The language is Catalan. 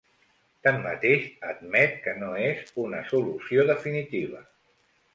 Tanmateix, admet que no és una solució definitiva.